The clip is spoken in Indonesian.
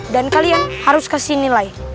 dan kalian harus kasih nilai